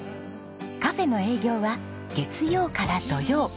カフェの営業は月曜から土曜。